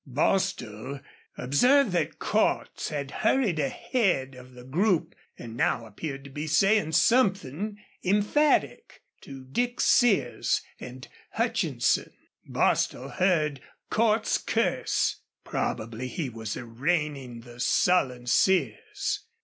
Bostil observed that Cordts had hurried ahead of the group and now appeared to be saying something emphatic to Dick Sears and Hutchinson. Bostil heard Cordts curse. Probably he was arraigning the sullen Sears.